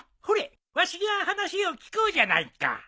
ほれわしが話を聞こうじゃないか。